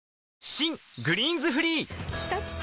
新「グリーンズフリー」きたきた！